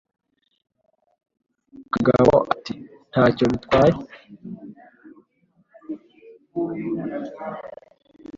Kagabo ati: "Ntacyo bitwaye."